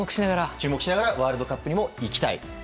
注目しながらワールドカップにも行きたい。